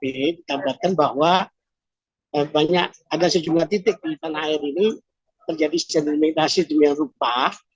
dikabarkan bahwa ada sejumlah titik di tanah air ini terjadi sedimentasi di dunia rupa